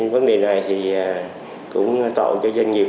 vấn đề này thì cũng tội cho doanh nghiệp